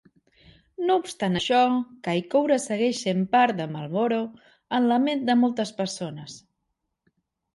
No obstant això, Kaikoura segueix sent part de Marlborough en la ment de moltes persones.